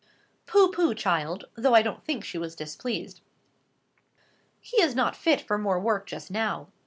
"Pooh, pooh, child!" though I don't think she was displeased, "he is not fit for more work just now.